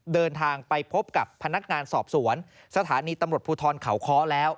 เดินทางไปพบกับพนักงานสอบสวนสถานีตำรวจภูทรเขาค้อแล้ว